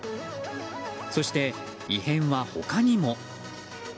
そして、異変は他にも。